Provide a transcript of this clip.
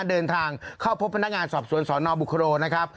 เดินทางเข้าพบพนักงานสอบสวนสนบุคโรนะครับ